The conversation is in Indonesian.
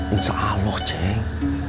insya allah ceng